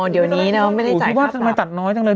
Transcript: อ๋อเดี๋ยวนี้เนอะไม่ได้จ่ายค่าปรับอ๋อทุกคนคิดว่าทำไมตัดน้อยจังเลย